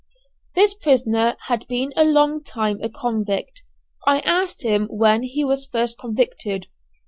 This prisoner had been a long time a convict. I asked him when he was first convicted.